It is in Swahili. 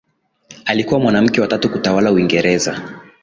alikuwa mwanamke wa tatu kutawala uingereza